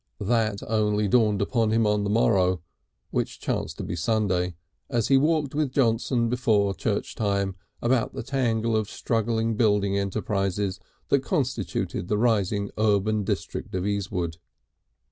That only dawned upon him on the morrow which chanced to be Sunday as he walked with Johnson before church time about the tangle of struggling building enterprise that constituted the rising urban district of Easewood.